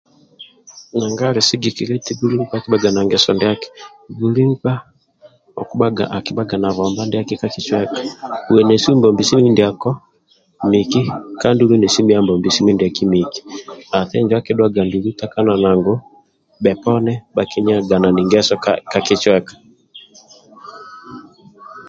Nanga ali sigikilia eti buli nkpa akibhga na ngeso ndiaki buli nkpa akibhaga na bomba ndiaki ka kicweka uwe neso ombombisi mindiako miki kandulu nesi miyo ambombisi mindiaki ati injo akidhuaga ndulu otakana ngu heponi bhalenyanagi ngeso ka kicweka